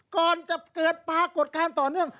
ก่อนจะเกิดปรากฏการณ์ต่อเนื่อง